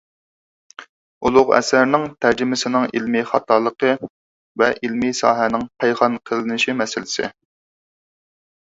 ئۇلۇغ ئەسەرنىڭ تەرجىمىسىنىڭ ئىلمىي خاتالىقى ۋە ئىلمىي ساھەنىڭ پايخان قىلىنىشى مەسىلىسى